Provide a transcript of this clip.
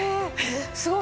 すごい！